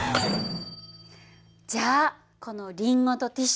じゃあこのリンゴとティッシュ